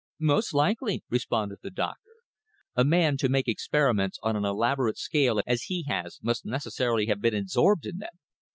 "Most likely," responded the doctor. "A man to make experiments on an elaborate scale as he has must necessarily have been absorbed in them.